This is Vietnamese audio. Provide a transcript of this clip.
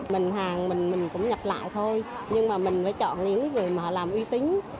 mình hàng mình cũng nhập lại thôi nhưng mà mình phải chọn những người mà làm uy tính